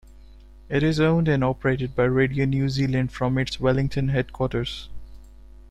It is owned and operated by Radio New Zealand from its Wellington headquarters.